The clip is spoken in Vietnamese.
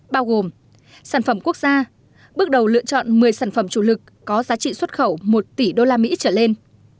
bao gồm sản phẩm quốc gia bước đầu lựa chọn một mươi sản phẩm chủ lực có giá trị xuất khẩu một tỷ usd trở lên